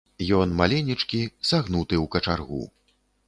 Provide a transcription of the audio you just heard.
Ён маленечкі, сагнуты ў качаргу.